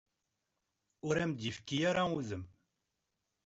Ur am-d-yefki ara udem.